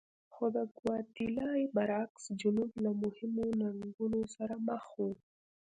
خو د ګواتیلا برعکس جنوب له مهمو ننګونو سره مخ و.